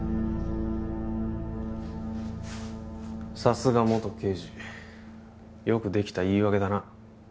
さすが元刑事よくできた言い訳だな